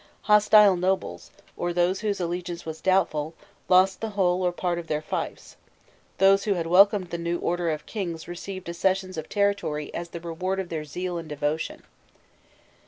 Hostile nobles, or those whose allegiance was doubtful, lost the whole or part of their fiefs; those who had welcomed the new order of things received accessions of territory as the reward of their zeal and devotion.